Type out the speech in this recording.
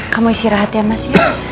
kamu istirahat ya mas